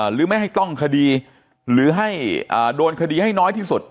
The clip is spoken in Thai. หรือไม่ให้ต้องคดีหรือให้โดนคดีให้น้อยที่สุด